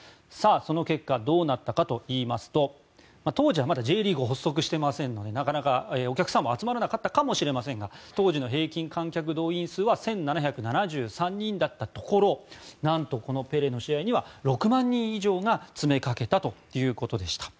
その結果、どうなったかというとＪリーグが発足していませんのでなかなかお客さんは集まらなかったと思いますが当時の平均観客動員数が１７７３人だったところ何とこのペレの試合には６万人以上が詰めかけたということでした。